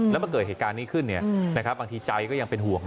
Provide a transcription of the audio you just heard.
แล้วมาเกิดเหตุการณ์นี้ขึ้นบางทีใจก็ยังเป็นห่วง